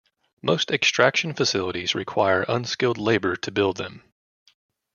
Most extraction facilities require unskilled labor to build them.